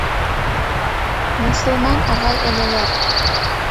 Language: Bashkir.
—...Мосолман ағай-энеләр!